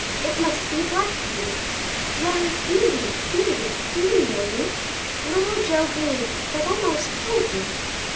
It must be Black Beauty! Why, Beauty! Beauty! do you know me? little Joe Green, that almost killed you?"